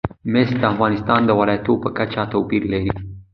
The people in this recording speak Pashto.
مس د افغانستان د ولایاتو په کچه توپیر لري.